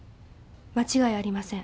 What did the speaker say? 間違いありません。